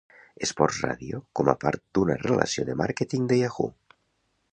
Sports Radio com a part d'una relació de màrqueting de Yahoo!.